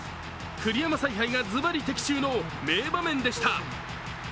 栗山采配がズバリ的中の名場面でした。